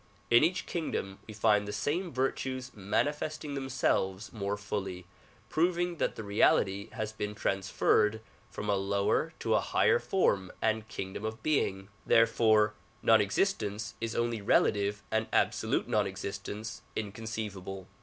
In each kingdom we find the same virtues manifesting them selves more fully, proving that the reality has been trans ferred from a lower to a higher form and kingdom of being. There fore non existence is only relative and absolute non existence incon ceivable.